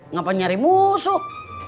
ngapa nyari musuh